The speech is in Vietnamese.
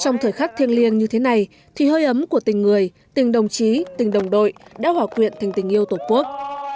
trong thời khắc thiêng liêng như thế này thì hơi ấm của tình người tình đồng chí tình đồng đội đã hòa quyện thành tình yêu tổ quốc